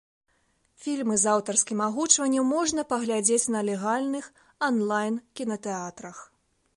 Фільмы з аўтарскім агучваннем можна паглядзець на легальных анлайн-кінатэатрах.